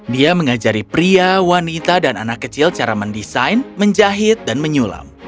dia mengajari pria wanita dan anak kecil cara mendesain menjahit dan menyulam